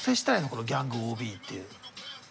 このギャングＯＢって。